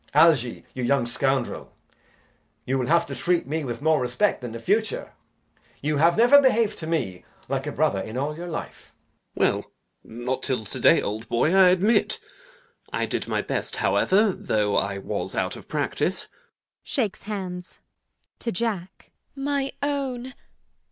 Algy, you young scoundrel, you will have to treat me with more respect in the future. You have never behaved to me like a brother in all your life. ALGERNON. Well, not till to day, old boy, I admit. I did my best, however, though I was out of practice. [Shakes hands.] GWENDOLEN. [To Jack.] My own!